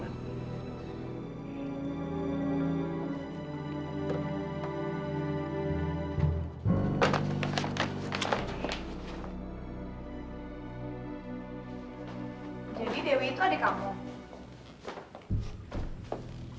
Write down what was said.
jadi dewi itu adik kamu